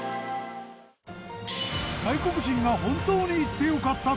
外国人が本当に行って良かった都道府県